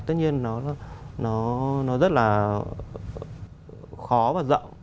tất nhiên nó rất là khó và rậu